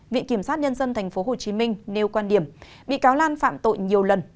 viện kiểm sát nhân dân tp hcm nêu quan điểm bị cáo lan phạm tội nhiều lần